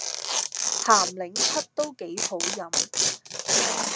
咸檸七都幾好飲